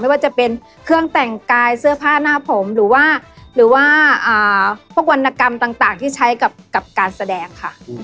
ว่าจะเป็นเครื่องแต่งกายเสื้อผ้าหน้าผมหรือว่าหรือว่าพวกวรรณกรรมต่างที่ใช้กับการแสดงค่ะ